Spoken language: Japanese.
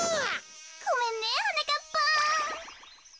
ごめんねはなかっぱん。